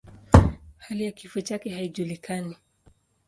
Hali ya kifo chake haijulikani.